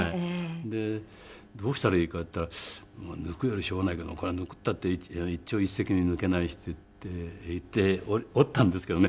でどうしたらいいかって言ったら抜くよりしょうがないけどこれは抜くっていったって一朝一夕に抜けないしって言っておったんですけどね